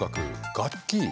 楽器。